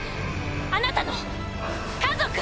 あなたの家族！